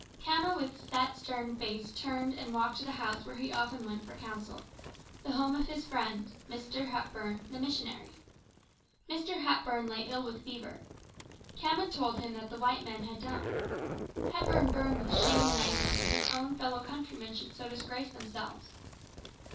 Khama with set, stern face turned and walked to the house where he often went for counsel, the home of his friend, Mr. Hepburn, the missionary. Mr. Hepburn lay ill with fever. Khama told him what the white men had done. Hepburn burned with shame and anger that his own fellow countrymen should so disgrace themselves.